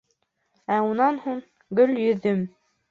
Ә унан һуң — Гөлйөҙөм!..